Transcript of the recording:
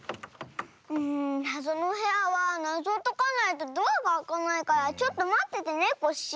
なぞのおへやはなぞをとかないとドアがあかないからちょっとまっててねコッシー。